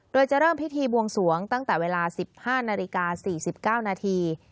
โดยจะเริ่มพิธีบวงสวงตั้งแต่เวลา๑๕นาฬิกา๔๙นาที